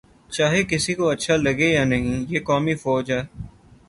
چاہے کسی کو اچھا لگے یا نہیں، یہ قومی فوج ہے۔